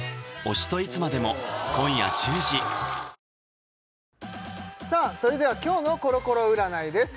新「和紅茶」さあそれでは今日のコロコロ占いです